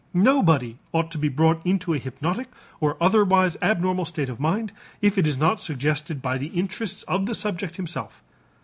Nobody ought to be brought into a hypnotic or otherwise abnormal state of mind if it is not suggested by the interests of the subject himself.